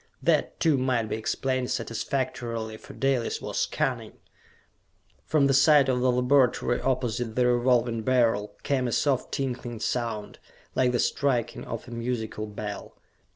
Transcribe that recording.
That, too, might be explained satisfactorily, for Dalis was cunning. From the side of the laboratory opposite the Revolving Beryl came a soft tinkling sound, like the striking of a musical bell.